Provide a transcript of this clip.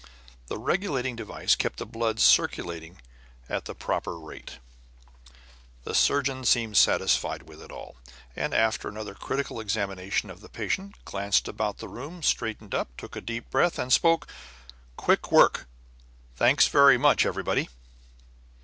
The regulating device kept the blood circulating at the proper rate. The surgeon seemed satisfied with it all, and, after another critical examination of the patient, glanced about the room, straightened up, took a deep breath, and spoke: "Quick work. Thanks very much, everybody."